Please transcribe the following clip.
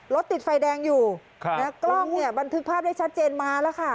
รถติดไฟแดงอยู่กล้องเนี่ยบันทึกภาพได้ชัดเจนมาแล้วค่ะ